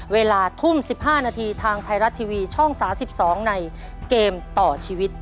เวลาทุ่ม๑๕นาทีทางไทยรัฐทีวีช่อง๓๒ในเกมต่อชีวิต